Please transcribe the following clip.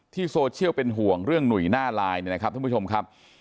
โซเชียลเป็นห่วงเรื่องหนุ่ยหน้าไลน์เนี่ยนะครับท่านผู้ชมครับ